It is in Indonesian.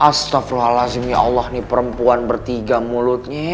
astagfirullahaladzim ya allah nih perempuan bertiga mulutnya